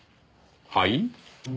はい？